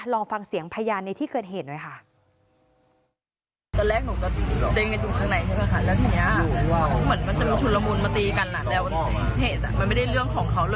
ลองฟังเสียงพยานในที่เกิดเหตุหน่อยค่ะ